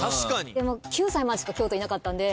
でも９歳までしか京都いなかったんで。